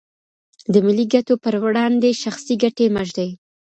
د ملي ګټو پر وړاندې شخصي ګټې مه ږدئ.